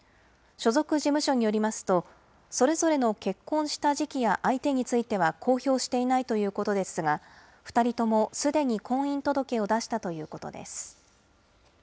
所属事務所によりますと、それぞれの結婚した時期や相手については公表していないということですが、２人ともすでに婚姻届を出したということです。